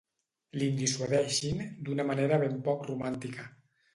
Li'n dissuadeixin, d'una manera ben poc romàntica.